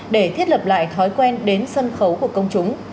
để thiết lập lại thói quen đến sân khấu của công chúng